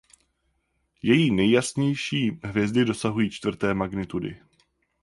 Její nejjasnější hvězdy dosahují čtvrté magnitudy.